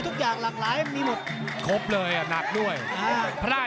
ทำอะไรจำกว่า